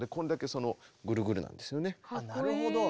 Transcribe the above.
なるほど。